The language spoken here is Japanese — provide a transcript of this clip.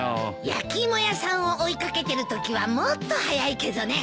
焼き芋屋さんを追い掛けてるときはもっと速いけどね。